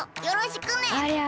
よろしくね！